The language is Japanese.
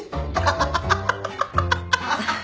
ハハハハ。